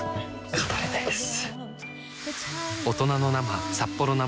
語れないです